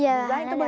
iya hanna dapet